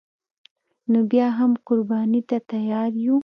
نو بیا هم قربانی ته تیار یو